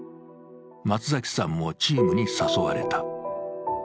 松崎さんもチームに誘われた。